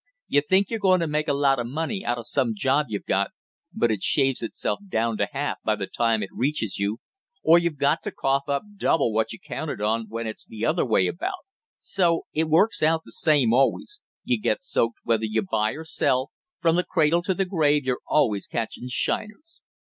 You think you're going to make a lot of money out of some job you've got, but it shaves itself down to half by the time it reaches you; or you've got to cough up double what you counted on when it's the other way about; so it works out the same always; you get soaked whether you buy or sell, from the cradle to the grave you're always catching shiners!"